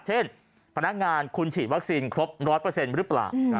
พนักงานคุณฉีดวัคซีนครบ๑๐๐หรือเปล่า